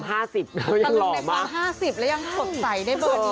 ตะลึงในความ๕๐แล้วยังสดใสได้บ่อยดี